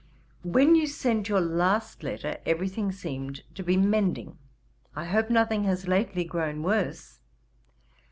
When you sent your last letter, every thing seemed to be mending; I hope nothing has lately grown worse.